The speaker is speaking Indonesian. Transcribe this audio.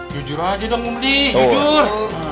jujur aja dong bu menik